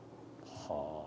はあ。